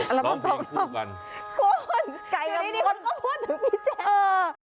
อัลบั้มทองคำขวนไก่ต้องพูดถึงพี่แจ้เลย